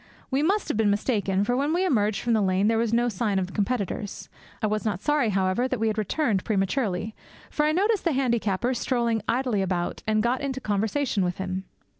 We must have been mistaken, for when we emerged from the lane there was no sign of the competitors, I was not sorry, however, that we had returned prematurely; for I noticed the handicapper strolling idly about, and got into conversation with him.